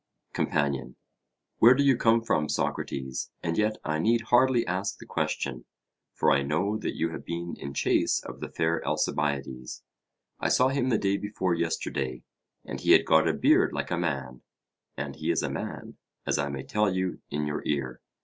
COMPANION: Where do you come from, Socrates? And yet I need hardly ask the question, for I know that you have been in chase of the fair Alcibiades. I saw him the day before yesterday; and he had got a beard like a man, and he is a man, as I may tell you in your ear.